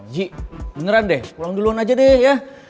ji beneran deh pulang duluan aja deh ya